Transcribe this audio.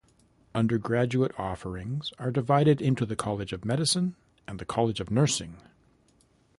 Undergraduate offerings are divided into the College of Medicine and the College of Nursing.